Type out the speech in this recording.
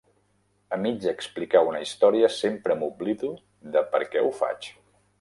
A mig explicar una història sempre m'oblido de per què ho faig.